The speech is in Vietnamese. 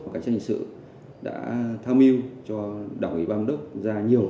cái tranh sự đã tham yêu cho đạo nghị băng đốc ra nhiều